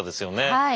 はい。